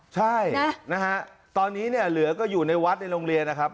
ใช่นะฮะตอนนี้เนี่ยเหลือก็อยู่ในวัดในโรงเรียนนะครับ